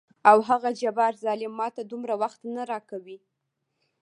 او هغه جبار ظلم ماته دومره وخت نه راکوي.